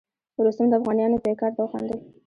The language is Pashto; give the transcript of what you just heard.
رستم د افغانیانو پیکار ته وخندل.